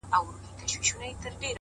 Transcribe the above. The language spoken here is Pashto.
د شنو خالونو د ټومبلو کيسه ختمه نه ده.